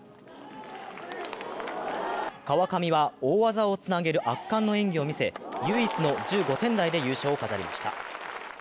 川上は大技をつなげる圧巻の演技を見せ唯一の１５点台で優勝を飾りました。